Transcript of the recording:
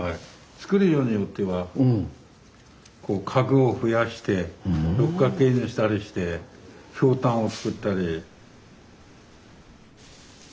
作りようによっては角を増やして六角形にしたりしてひょうたんを作ったり。